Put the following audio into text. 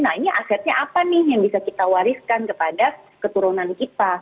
nah ini asetnya apa nih yang bisa kita wariskan kepada keturunan kita